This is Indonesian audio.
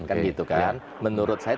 kan gitu kan menurut saya